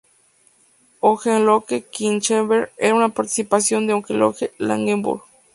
Hohenlohe-Kirchberg era una partición de Hohenlohe-Langenburg.